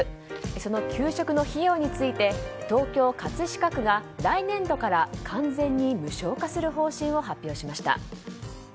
その給食の費用について東京・葛飾区が来年度から完全に無償化する方針を発表しました。